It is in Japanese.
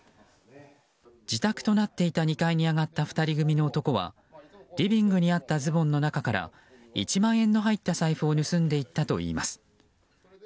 自宅となっていた２階に上がった２人組の男はリビングにあったズボンの中から１万円の入った財布を盗んでいったといいます。